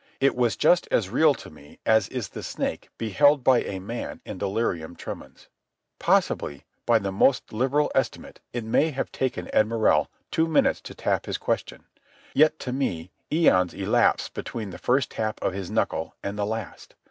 It was just as real to me as is the snake beheld by a man in delirium tremens. Possibly, by the most liberal estimate, it may have taken Ed Morrell two minutes to tap his question. Yet, to me, æons elapsed between the first tap of his knuckle and the last.